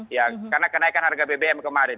ya karena kenaikan harga bbm kemarin